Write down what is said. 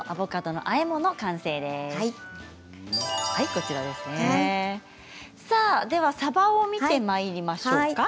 ではさばを見てまいりましょうか。